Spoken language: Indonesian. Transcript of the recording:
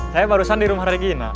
saya barusan di rumah regina